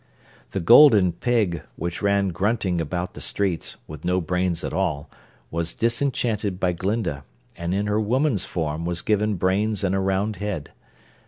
The Golden Pig, which ran grunting about the streets, with no brains at all, was disenchanted by Glinda, and in her woman's form was given brains and a round head.